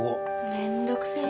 めんどくせえ。